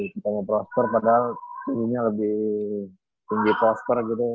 kita mau prosper padahal tingginya lebih tinggi prosper gitu